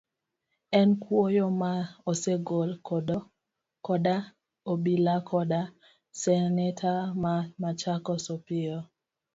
En kwayo ma osegol koda obila koda seneta ma Machakos Opiyo.